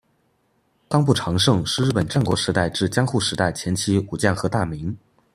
冈部长盛是日本战国时代至江户时代前期武将和大名。